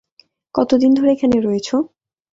কতদিন ধরে এখানে রয়েছো?